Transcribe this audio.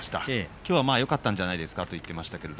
きょうはよかったんじゃないですかということです。